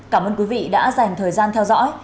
cảm ơn quý vị đã dành thời gian theo dõi